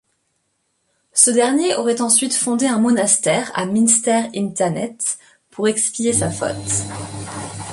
Ce dernier aurait ensuite fondé un monastère à Minster-in-Thanet pour expier sa faute.